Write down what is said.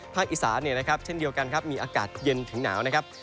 อีสาเนี่ยนะครับเช่นเดียวกันครับมีอากาศเย็นถึงหนาวนะครับ